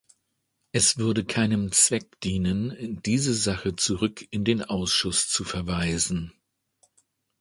Es würde keinem Zweck dienen, diese Sache zurück in den Ausschuss zu verweisen.